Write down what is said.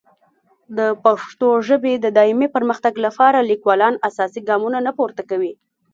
د پښتو ژبې د دایمي پرمختګ لپاره لیکوالان اساسي ګامونه نه پورته کوي.